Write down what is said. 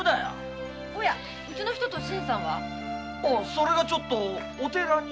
それがちょっとお寺に。